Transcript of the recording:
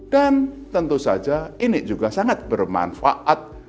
dan tentu saja ini juga sangat bermanfaat